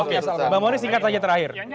oke mbak moli singkat saja terakhir